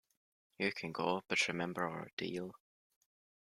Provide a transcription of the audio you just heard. You can go, but remember our deal.